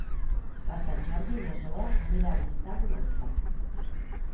Per Sant Jordi na Zoè anirà a visitar mon oncle.